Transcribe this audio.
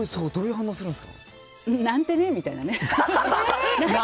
なんてね、みたいなね。